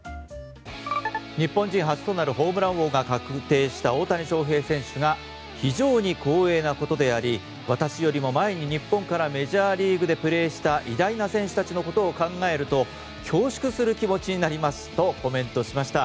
日本人初となるホームラン王が確定した大谷翔平選手が非常に光栄なことであり私よりも前からメジャーリーグでプレーした偉大な選手たちのことを考えると恐縮する気持ちになりますとコメントしました。